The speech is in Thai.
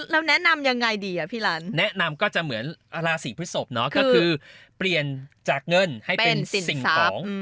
แล้วแนะนำยังไงดีอ่ะพี่ลันแนะนำก็จะเหมือนราศีพฤศพเนาะก็คือเปลี่ยนจากเงินให้เป็นสิ่งของ